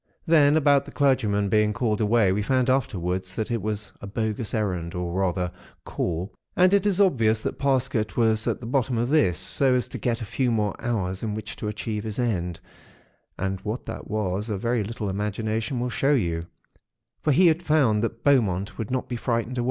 "Then, about the clergyman being called away, we found afterwards that it was a bogus errand, or rather, call; and it is obvious that Parsket was at the bottom of this, so as to get a few more hours in which to achieve his end; and what that was, a very little imagination will show you; for he had found that Beaumont would not be frightened away.